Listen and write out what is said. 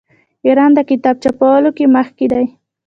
ایران د کتاب چاپولو کې مخکې دی.